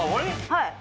はい。